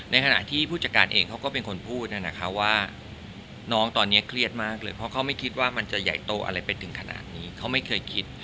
ขณะที่ผู้จัดการเองเขาก็เป็นคนพูดนะคะว่าน้องตอนนี้เครียดมากเลยเพราะเขาไม่คิดว่ามันจะใหญ่โตอะไรไปถึงขนาดนี้เขาไม่เคยคิด